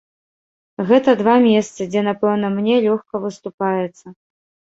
Гэта два месцы, дзе, напэўна, мне лёгка выступаецца.